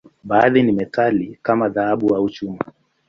Baadhi ni metali, kama dhahabu au chuma.